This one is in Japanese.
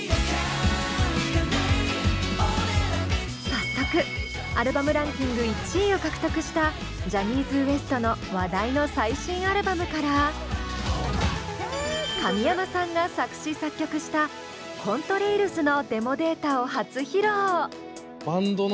早速アルバムランキング１位を獲得したジャニーズＷＥＳＴの話題の最新アルバムから神山さんが作詞作曲した「Ｃｏｎｔｒａｉｌｓ」のデモデータを初披露！